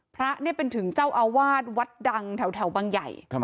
พระเนี่ยเป็นถึงเจ้าอาวาสวัดดังแถวบางใหญ่